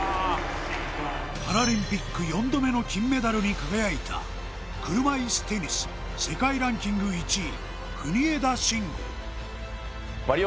パラリンピック４度目の金メダルに輝いた車いすテニス世界ランキング１位国枝慎吾